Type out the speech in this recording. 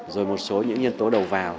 rồi một số những nhân tố đầu vào